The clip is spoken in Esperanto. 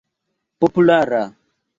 populara